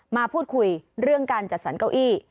มาพูดคุยเรื่องการจัดสรรเก้าอี้